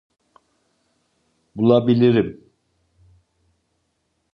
Bulabilirim.